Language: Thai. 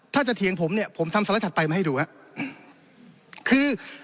ถ้าจะเถียงผมเนี่ยผมทำสไลด์ถัดไปมาให้ดูครับคือ